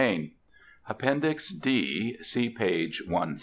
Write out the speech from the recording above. _ APPENDIX D. See page 130.